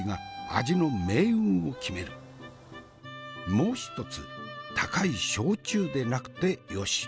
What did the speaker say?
もう一つ高い焼酎でなくてよし。